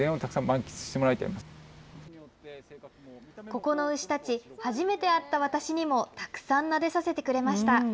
ここの牛たち、初めて会った私にもたくさんなでさせてくれました。